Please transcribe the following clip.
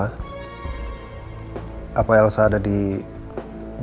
dari kecil sampai elsa sepertinya bebas ngelakuin apa aja